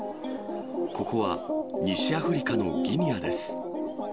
ここは、西アフリカのギニアです。